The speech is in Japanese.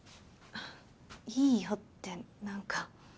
「いいよ」ってなんか。